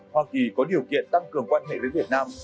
hoa kỳ có điều kiện tăng cường quan hệ với việt nam